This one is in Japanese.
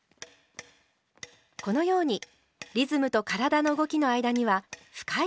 このようにリズムと体の動きの間には深い関係がありました。